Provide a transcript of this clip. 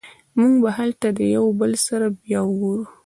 موږ به هلته له یو بل سره بیا وګورو